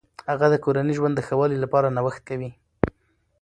هغه د کورني ژوند د ښه والي لپاره نوښت کوي.